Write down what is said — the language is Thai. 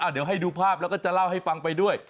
เดี๋ยวให้ดูภาพแล้วก็จะเล่าให้ฟังไปด้วย